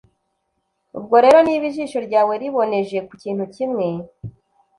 ubwo rero niba ijisho ryawe riboneje ku kintu kimwe